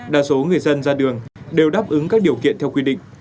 đa số người dân ra đường đều đáp ứng các điều kiện theo quy định